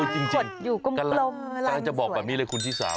จริงกระลักษณ์จะบอกแบบนี้เลยคุณธิษฐา